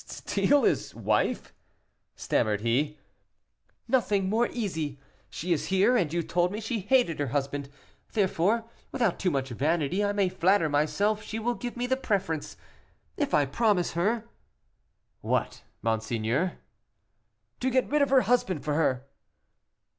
"Steal his wife!" stammered he. "Nothing more easy, she is here, and you told me she hated her husband; therefore, without too much vanity, I may flatter myself she will give me the preference, if I promise her " "What, monseigneur?" "To get rid of her husband for her."